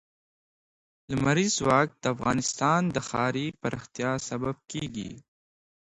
لمریز ځواک د افغانستان د ښاري پراختیا سبب کېږي.